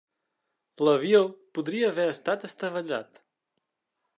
L'avió podria haver estat estavellat.